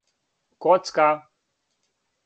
коцка